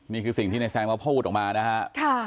นี่คือสิ่งที่แซมประพบูธออกมานะคะ